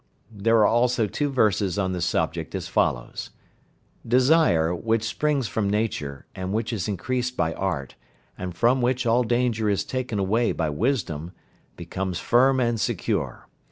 There was also two verses on the subject as follows: "Desire, which springs from nature, and which is increased by art, and from which all danger is taken away by wisdom, becomes firm and secure.